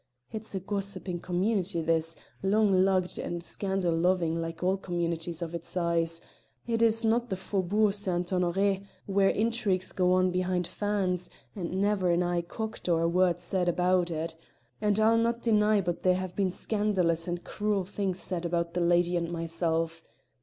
It's a gossiping community this, long lugged and scandal loving like all communities of its size; it is not the Faubourg St. Honoré, where intrigues go on behind fans and never an eye cocked or a word said about it; and I'll not deny but there have been scandalous and cruel things said about the lady and myself.